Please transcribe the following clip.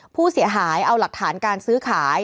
ผู้เสียหายเอาหลักฐานการซื้อขาย